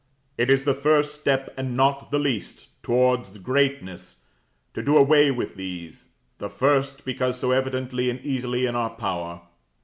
It is the first step and not the least, towards greatness to do away with these; the first, because so evidently and easily in our power.